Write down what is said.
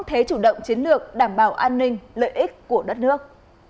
thế chủ động chiến lược đảm bảo an ninh lợi ích của đất nước